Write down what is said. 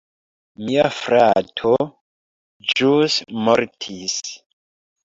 Mia frato ĵus mortis!